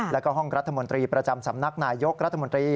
แล้วก็ห้องรัฐมนตรีประจำสำนักนายยกรัฐมนตรี